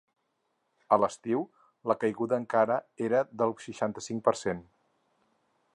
A l’estiu la caiguda encara era del seixanta-cinc per cent.